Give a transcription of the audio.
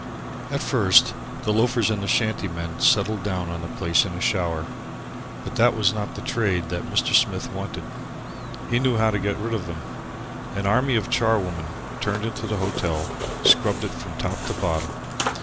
At first the loafers and the shanty men settled down on the place in a shower. But that was not the "trade" that Mr. Smith wanted. He knew how to get rid of them. An army of charwomen, turned into the hotel, scrubbed it from top to bottom.